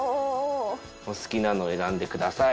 お好きなの選んでください。